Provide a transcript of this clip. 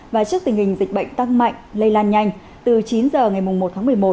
và trước tình hình dịch bệnh tăng mạnh lây lan nhanh từ chín h ngày một tháng một mươi một